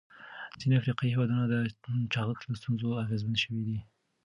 ځینې افریقایي هېوادونه د چاغښت له ستونزې اغېزمن شوي دي.